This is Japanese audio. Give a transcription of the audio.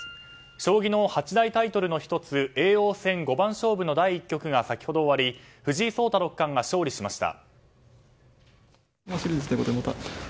将棋の八大タイトルの１つ叡王戦五番勝負の第１局が先ほど終わり藤井聡太六冠が勝利しました。